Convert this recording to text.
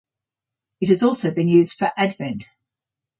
It has also been used for Advent.